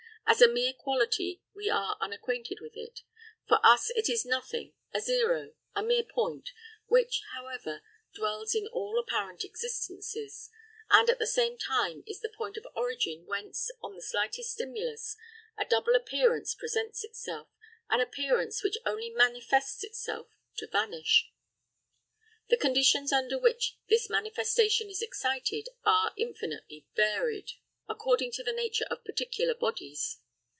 As a mere quality we are unacquainted with it; for us it is a nothing, a zero, a mere point, which, however, dwells in all apparent existences, and at the same time is the point of origin whence, on the slightest stimulus, a double appearance presents itself, an appearance which only manifests itself to vanish. The conditions under which this manifestation is excited are infinitely varied, according to the nature of particular bodies.